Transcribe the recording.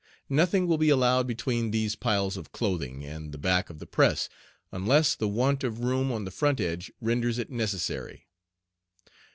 Nothing will be allowed between these piles of clothing and the back of the press, unless the want of room on the front edge renders it necessary.